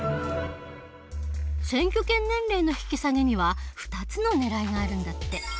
選挙権年齢の引き下げには２つのねらいがあるんだって。